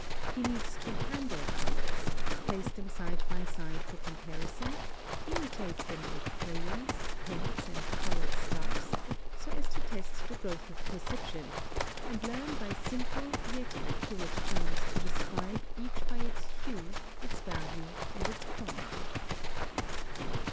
He needs to handle colors, place them side by side for comparison, imitate them with crayons, paints, and colored stuffs, so as to test the growth of perception, and learn by simple yet accurate terms to describe each by its hue, its value, and its chroma.